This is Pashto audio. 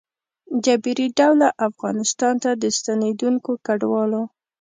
ه جبري ډول افغانستان ته د ستنېدونکو کډوالو